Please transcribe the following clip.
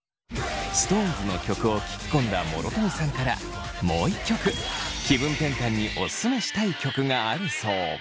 ＳｉｘＴＯＮＥＳの曲を聴き込んだ諸富さんからもう一曲気分転換にオススメしたい曲があるそう。